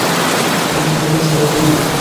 মাথা থেকে ঝেড়ে ফেলুন ওসব, মাইকেল।